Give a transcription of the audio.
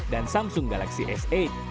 dan samsung galaxy s delapan